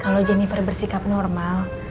kalau jennifer bersikap normal